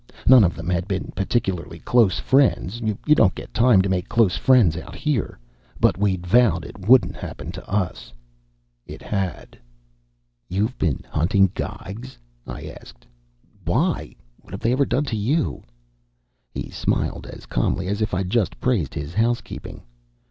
None of them had been particularly close friends. You don't get time to make close friends out here. But we'd vowed it wouldn't happen to us. It had. "You've been hunting Geigs?" I asked. "Why? What've they ever done to you?" He smiled, as calmly as if I'd just praised his house keeping.